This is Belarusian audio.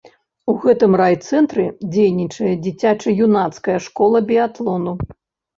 У гэтым райцэнтры дзейнічае дзіцяча-юнацкая школа біятлону.